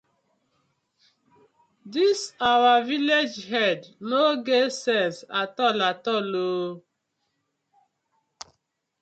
Dis our villag head no get head atoll atoll oo.